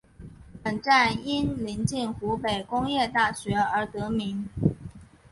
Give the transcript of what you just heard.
本站因临近湖北工业大学而得名。